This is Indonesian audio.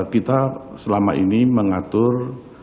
kita selama ini mengatur